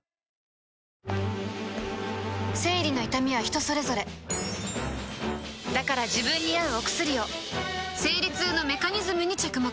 生理の痛みは人それぞれだから自分に合うお薬を生理痛のメカニズムに着目